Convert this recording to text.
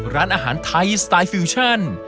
ร้านอาหารไทยสไตล์ฟิวชั่น